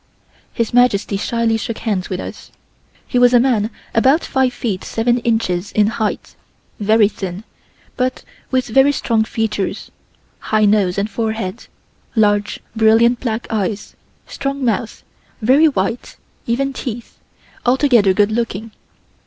His Majesty shyly shook hands with us. He was a man about five feet, seven inches in height, very thin, but with very strong features; high nose and forehead, large, brilliant black eyes, strong mouth, very white, even teeth; altogether good looking.